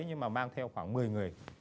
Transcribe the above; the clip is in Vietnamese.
nhưng mà mang theo khoảng một mươi người